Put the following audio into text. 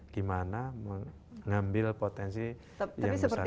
gimana mengambil potensi tapi seperti